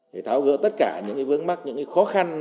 để tháo gỡ tất cả những vướng mắt những khó khăn